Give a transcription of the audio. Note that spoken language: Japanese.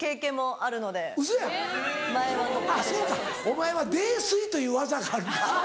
お前は泥酔という技があるか。